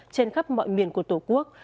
trên khắp mọi miền của tổ quốc